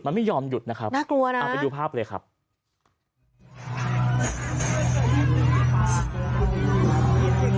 มันไม่ยอมหยุดนะครับเอาไปดูภาพเลยครับน่ากลัวนะ